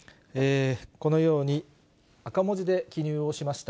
このように、赤文字で記入をしました。